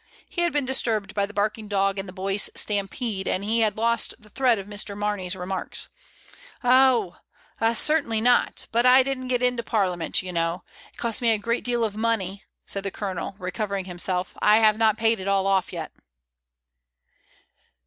He had been dis turbed by the barking dog and the boys' stampede, and he had lost the thread of Mr. Mamey's remarks. "Oh! ah — certainly not; but I didn't get into Parliament, you know. It cost me a great deal of money," said the Colonel, recovering himself; "I have not paid it all off yet."